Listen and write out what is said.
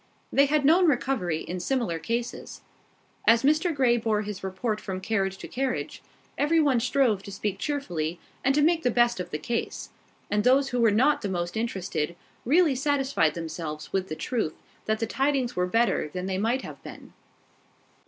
They had known recovery in similar cases. As Mr Grey bore his report from carriage to carriage, every one strove to speak cheerfully, and to make the best of the case; and those who were not the most interested really satisfied themselves with the truth that the tidings were better than they might have been.